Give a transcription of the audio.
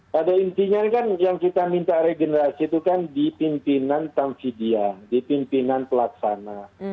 pada intinya kan yang kita minta regenerasi itu kan di pimpinan tamsidia di pimpinan pelaksana